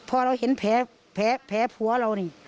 พอเราเห็นแผลผัวเรานี่